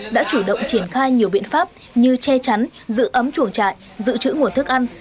đã chủ động triển khai nhiều biện pháp như che chắn giữ ấm chuồng trại giữ chữ nguồn thức ăn